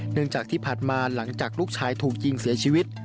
จากที่ผ่านมาหลังจากลูกชายถูกยิงเสียชีวิต